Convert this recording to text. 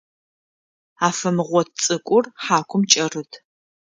Афэмгъот цӏыкӏур хьакум кӏэрыт.